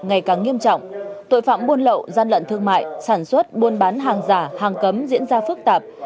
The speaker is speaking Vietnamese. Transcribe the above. ngày càng nghiêm trọng tội phạm buôn lậu gian lận thương mại sản xuất buôn bán hàng giả hàng cấm diễn ra phức tạp